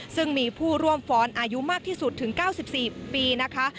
ซึ่งมีผู้ร่วมฟ้อนอายุมากที่สุดถึง๙๔ปีนะคะ